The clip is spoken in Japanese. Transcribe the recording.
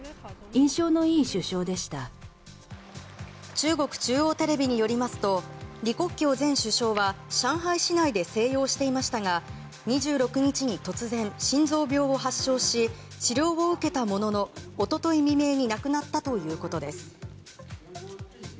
中国中央テレビによりますと李克強前首相は上海市内で静養していましたが２６日に突然、心臓病を発症し治療を受けたものの一昨日未明に亡くなったということです。